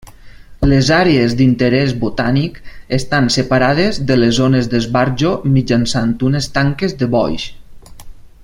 Les àrees d'interès botànic estan separades de les zones d'esbarjo mitjançant unes tanques de boix.